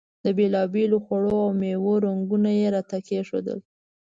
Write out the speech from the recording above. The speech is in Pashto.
د بېلابېلو خوړو او میوو رنګونه یې راته کېښودل.